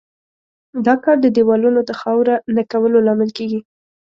دا کار د دېوالونو د خاوره نه کولو لامل کیږي.